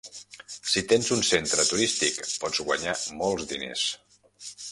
Si tens un centre turístic, pots guanyar molts diners.